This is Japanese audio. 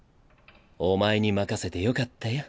お前に任せてよかったよ。